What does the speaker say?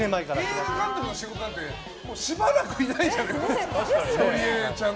映画監督の仕事なんてしばらくいないじゃんゴリエちゃん。